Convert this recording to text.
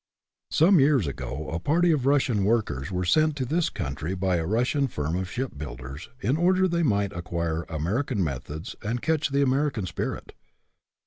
Some years ago a party of Russian work men were sent to this country by a Russian firm of shipbuilders, in order that they might acquire American methods and catch the American spirit.